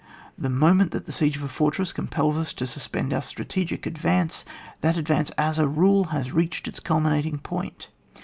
The moment that the siege of a fortress com pels U8 to suspend otir strategic advance, that advance, as a rule, has reached its ' culminating point.